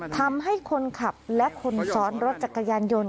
ทำให้คนขับและคนซ้อนรถจักรยานยนต์